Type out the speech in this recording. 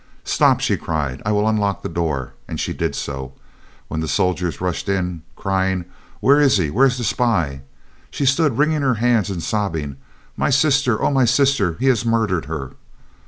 "Stop!" she cried, "I will unlock the door," and she did so, and when the soldiers rushed in, crying, "Where is he? Where is the spy?" she stood wringing her hands and sobbing, "My sister! Oh, my sister! he has murdered her."